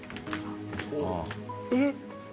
えっ？